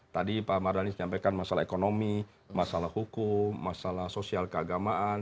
tadi pak mardhani menyampaikan masalah ekonomi masalah hukum masalah sosial keagamaan